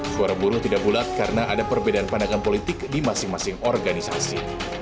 suara buruh tidak bulat karena ada perbedaan pandangan politik di masing masing organisasi